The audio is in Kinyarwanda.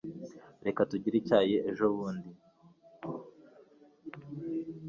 Reka tugire icyayi ejobundi.